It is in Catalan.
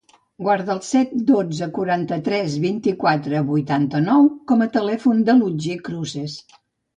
Guarda el set, dotze, quaranta-tres, vint-i-quatre, vuitanta-nou com a telèfon de l'Otger Cruces.